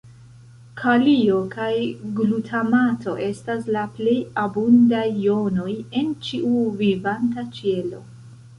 Kalio kaj glutamato estas la plej abundaj jonoj en ĉiu vivanta ĉelo.